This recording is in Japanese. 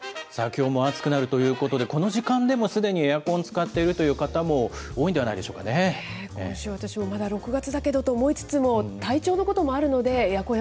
きょうも暑くなるということで、この時間でもすでにエアコン使っているという方も多いんではない今週、私もまだ６月だけどと思いつつも、体調のこともあるので、エアコン